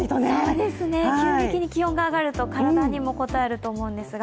そうですね、急激に気温が上がると体にもこたえると思うんですが。